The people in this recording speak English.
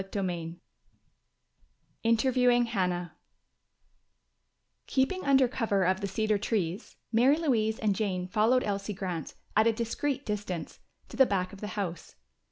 CHAPTER IV Interviewing Hannah Keeping under cover of the cedar trees, Mary Louise and Jane followed Elsie Grant, at a discreet distance, to the back of the house.